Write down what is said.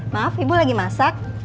maaf ibu lagi masak